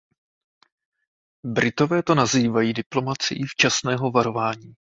Britové to nazývají diplomacií včasného varování.